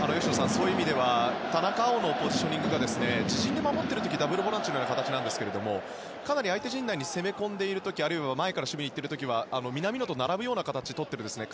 そういう意味では田中碧のポジショニングが自陣で守っている時はダブルボランチのような形ですがかなり相手陣内に攻め込んでいる時あるいは前から守備に行っている時は南野と並ぶような形をとっているんですよね。